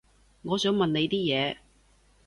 我想問你啲嘢